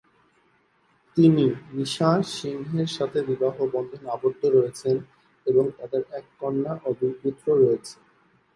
তিনি নিশা সিংহের সাথে বিবাহবন্ধনে আবদ্ধ রয়েছেন এবং তাঁদের এক কন্যা ও দুই পুত্র রয়েছে।